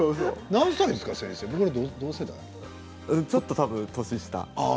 いやちょっと年下。